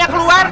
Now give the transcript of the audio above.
pak rt keluar